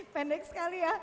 pendek sekali ya